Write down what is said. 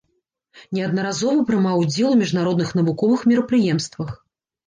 Неаднаразова прымаў удзел у міжнародных навуковых мерапрыемствах.